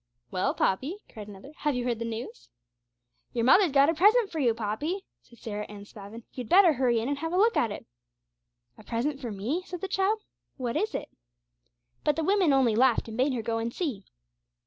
'Well, Poppy,' cried another, 'have you heard the news?' 'Your mother's got a present for you, Poppy,' said Sarah Anne Spavin; 'you'd better hurry in and have a look at it.' 'A present for me,' said the child; 'what is it?' But the women only laughed and bade her go and see.